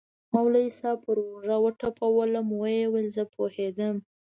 مولوي صاحب پر اوږه وټپولوم ويې ويل زه پوهېدم.